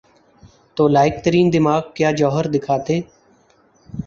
تو لائق ترین دماغ کیا جوہر دکھاتے؟